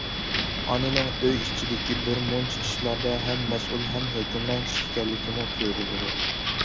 ئانىنىڭ ئۆي ئىچىدىكى بىر مۇنچە ئىشلاردا ھەم مەسئۇل ھەم ھۆكۈمران كىشى ئىكەنلىكىمۇ كۆرۈلىدۇ.